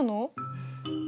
うん。